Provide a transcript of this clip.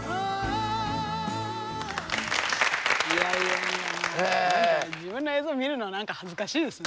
いやいやいやもう自分の映像見るの何か恥ずかしいですね。